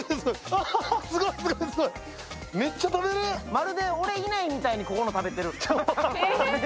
まるで俺いないみたいにここの、食べてる。